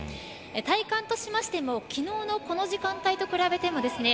体感としましても昨日のこの時間帯と比べてもですね